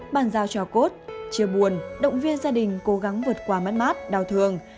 bàn giao cho cốt chưa buồn động viên gia đình cố gắng vượt qua mát mát đau thương